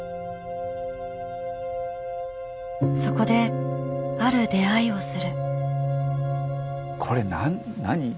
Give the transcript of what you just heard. そこである出会いをする。